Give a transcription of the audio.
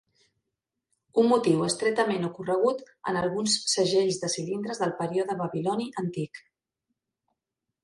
Un motiu estretament ocorregut en alguns segells de cilindres del període babiloni Antic .